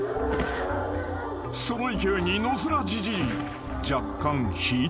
［その勢いに野づらじじい。